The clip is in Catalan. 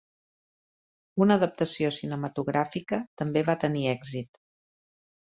Una adaptació cinematogràfica també va tenir èxit.